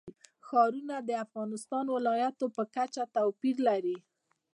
ښارونه د افغانستان د ولایاتو په کچه توپیر لري.